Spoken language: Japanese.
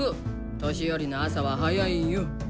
年寄りの朝は早いんよ！